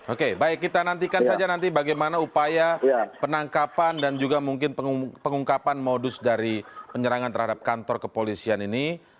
oke baik kita nantikan saja nanti bagaimana upaya penangkapan dan juga mungkin pengungkapan modus dari penyerangan terhadap kantor kepolisian ini